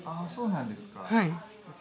そうなんですか。